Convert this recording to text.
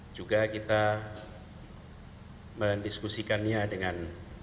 juga kita mendiskusikannya dengan